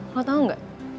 lo tau gak